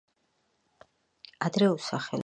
ადრე უსახელო იყო.